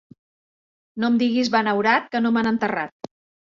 No em diguis benaurat, que no m'han enterrat.